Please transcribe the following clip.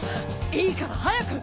いいから早く！